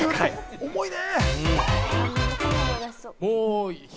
重いね。